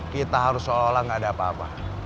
kita harus seolah olah nggak ada apa apa